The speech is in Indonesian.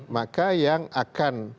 maka yang akan